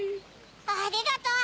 ありがとう！